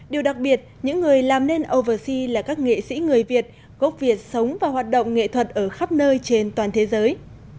điều đặc biệt những người làm nên oversea là các nghệ sĩ người việt gốc việt sống và hoạt động nghệ thuật ở khắp nơi trên toàn thế giới